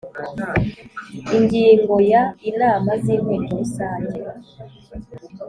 Ingingo ya Inama z Inteko Rusange